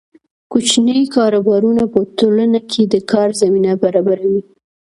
کوچني کاروبارونه په ټولنه کې د کار زمینه برابروي.